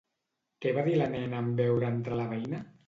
Què va dir la nena en veure entrar la veïna?